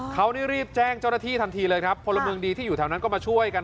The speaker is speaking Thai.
เขานี่รีบแจ้งเจ้าหน้าที่ทันทีเลยครับพลเมืองดีที่อยู่แถวนั้นก็มาช่วยกัน